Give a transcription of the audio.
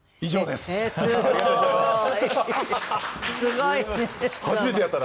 すごいね。